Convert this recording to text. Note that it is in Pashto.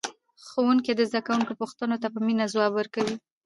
ښوونکی د زده کوونکو پوښتنو ته په مینه ځواب ورکوي